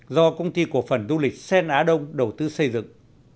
do công ty cổ phần du lịch sen á đông đầu tư xây dựng